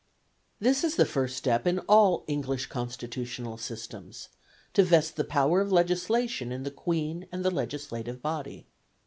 This is the first step in all English constitutional systems, to vest the power of legislation in the Queen and the legislative body.